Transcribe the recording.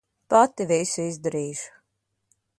Pati visu izdarīšu.